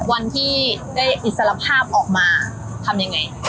วันที่ได้อิสรภาพออกมาทำยังไง